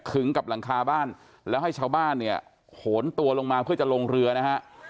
กับหลังคาบ้านแล้วให้ชาวบ้านเนี่ยโหนตัวลงมาเพื่อจะลงเรือนะฮะ